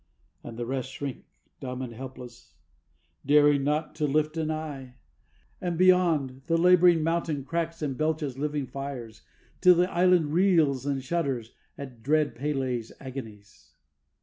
And the rest shrink, dumb and helpless, daring not to lift an eye, And beyond, the labouring mountain cracks and belches living fires, Till the island reels and shudders at dread P├®l├®'s agonies.